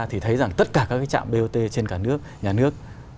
thì tất cả quốc tế trên cả nước nhà nước